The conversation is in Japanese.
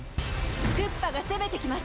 クッパが攻めてきます。